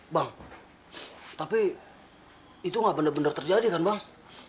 bang tapi itu gak bener bener terjadi kan bang